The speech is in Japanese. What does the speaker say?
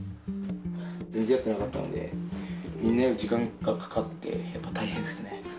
全然やってなかったので、みんなより時間がかかって、やっぱ大変ですね。